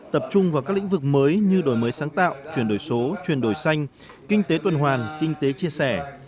tập trung vào các lĩnh vực mới như đổi mới sáng tạo chuyển đổi số chuyển đổi xanh kinh tế tuần hoàn kinh tế chia sẻ